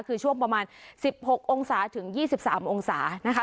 คือช่วงประมาณสิบหกองศาถึงยี่สิบสามองศานะคะ